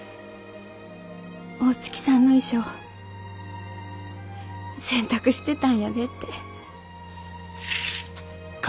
大月さんの衣装洗濯してたんやでって。